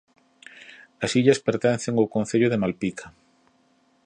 As illas pertencen ó concello de Malpica.